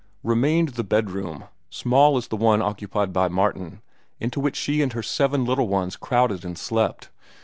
Remained the bedroom, small as the one occupied by Martin, into which she and her seven little ones crowded and slept.